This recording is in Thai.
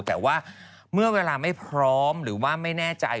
แต่ว่าเมื่อเวลาไม่พร้อมหรือว่าไม่แน่ใจ